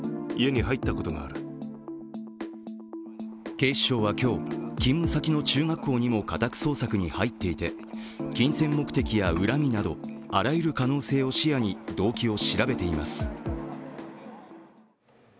警視庁は今日、勤務先の中学校にも家宅捜索に入っていて、金銭目的や恨みなどあらゆる可能性を視野に動機を調べています。